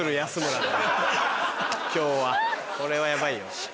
今日はこれはヤバいよ。